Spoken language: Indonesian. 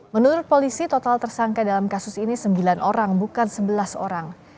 menurut polisi total tersangka dalam kasus ini sembilan orang bukan sebelas orang